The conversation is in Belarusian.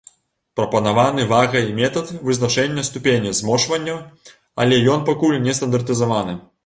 Прапанаваны вагавой метад вызначэння ступені змочвання, але ён пакуль не стандартызаваны.